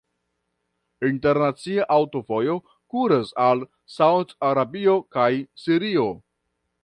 Internacia aŭtovojo kuras al Saud-Arabio kaj Sirio.